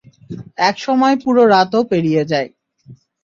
এক সময় পুরো রাতও পেরিয়ে যায়।